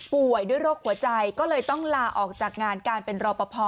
ด้วยโรคหัวใจก็เลยต้องลาออกจากงานการเป็นรอปภ